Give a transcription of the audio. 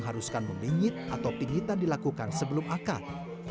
haruskan membingit atau pingitan dilakukan sebelum akad